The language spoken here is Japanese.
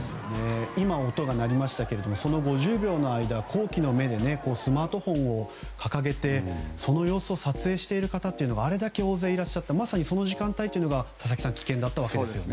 今、音が鳴りましたがその５０秒の間スマートフォンを掲げてその様子を撮影している方というのがあれだけ大勢いらっしゃったまさにその時間帯が危険だったわけですね。